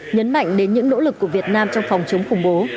nhấn mạnh đến những nỗ lực của việt nam trong phòng chống khủng bố